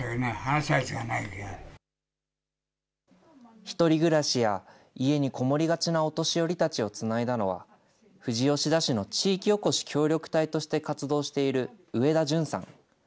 １人暮らしや家に籠もりがちなお年寄りたちをつないだのは、富士吉田市の地域おこし協力隊として活動している上田潤さん。